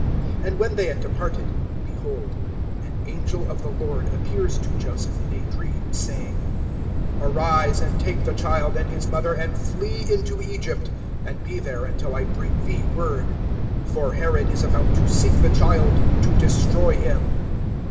(13)And when they had departed, behold, an angel of the Lord appears to Joseph in a dream, saying: Arise, and take the child and his mother, and flee into Egypt, and be there until I bring thee word; for Herod is about to seek the child to destroy him.